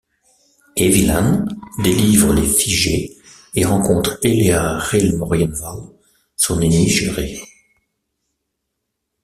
Ewilan délivre les figés et rencontre Eléa Ril'Morienval, son ennemie jurée.